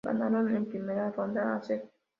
Ganaron en primera ronda a St.